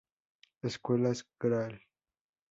Escuelas: Gral.